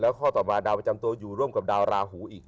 ข้อต่อมาดาวประจำตัวอยู่ร่วมกับดาวราหูอีก